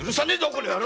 この野郎！